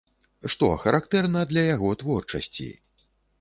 Што характэрна для яго творчасці?